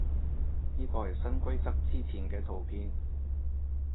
呢個係新規則之前嘅圖片